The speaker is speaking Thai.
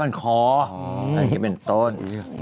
อันนี้เป็นต้น